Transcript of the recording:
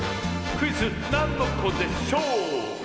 クイズ「なんのこでショー」！